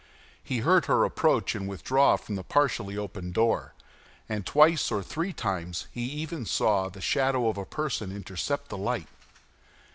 He heard her approach and withdraw from the partially open door; and twice or three times he even saw the shadow of a person intercept the light.